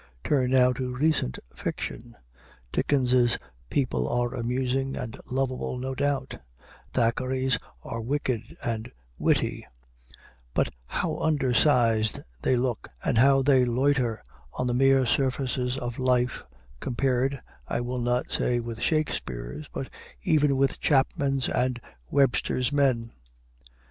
Turn now to recent fiction. Dickens's people are amusing and lovable, no doubt; Thackeray's are wicked and witty; but how under sized they look, and how they loiter on the mere surfaces of life, compared, I will not say with Shakespeare's, but even with Chapman's and Webster's men.